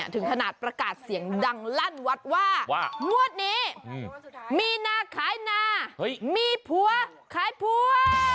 ถึงขนาดประกาศเสียงดังลั่นวัดว่าว่างวดนี้มีนาขายนามีผัวขายผัว